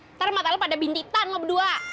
ntar mata lo pada bintitan lo berdua